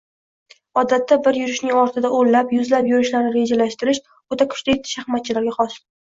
Odatda bir yurishning ortidan o`nlab, yuzlab yurishlarni rejalashtirish o`ta kuchli shaxmatchilarga xos